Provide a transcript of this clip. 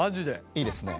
いいですね。